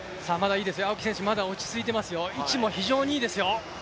青木選手、まだ落ち着いています、位置も非常にいいですよ。